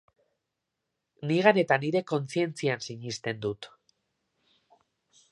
Nigan eta nire kontzientzian sinesten dut.